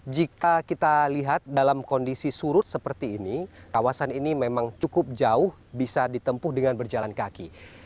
jika kita lihat dalam kondisi surut seperti ini kawasan ini memang cukup jauh bisa ditempuh dengan berjalan kaki